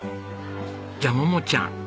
じゃ桃ちゃん。